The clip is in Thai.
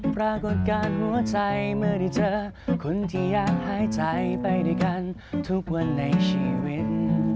ปรากฏการณ์หัวใจเมื่อได้เจอคนที่อยากหายใจไปด้วยกันทุกวันในชีวิต